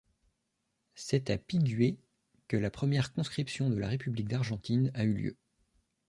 C'est à Pigüé que la première conscription de la République d'Argentine a eu lieu.